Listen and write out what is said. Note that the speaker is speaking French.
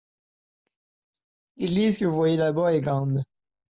L'église que vous voyez là-bas est grande.